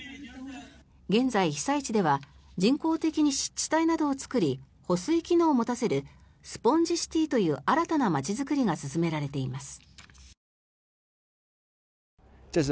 現在、被災地では人工的に湿地帯などを作り保水機能を持たせるスポンジシティという新たな街作りが進められています。